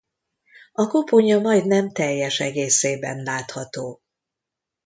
A koponya majdnem teljes egészében látható.